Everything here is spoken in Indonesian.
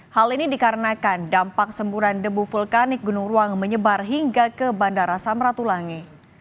hal ini dikarenakan dampak semburan debu vulkanik gunung ruang menyebar hingga ke bandara samratulangi